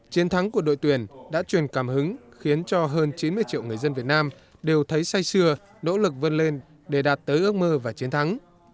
chiến thắng của đội tuyển đã truyền cảm hứng khiến cho hơn chín mươi triệu người dân việt nam đều thấy say xưa nỗ lực vươn lên để đạt tới ước mơ và chiến thắng